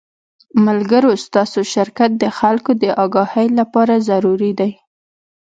ملګرو ستاسو شرکت د خلکو د اګاهۍ له پاره ضروري دے